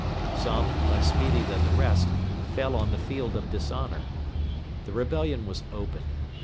Some, less speedy than the rest, fell on the field of dishonour. The rebellion was open.